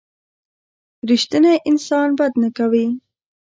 رښتینی انسان بد نه کوي.